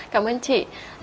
cảm ơn chị